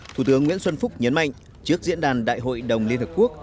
thủ tướng nguyễn xuân phúc nhấn mạnh trước diễn đàn đại hội đồng liên hợp quốc